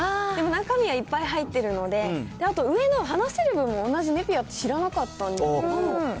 でも、中身はいっぱい入ってるので、あと、上の鼻セレブも同じネピアって知らなかったんですけど。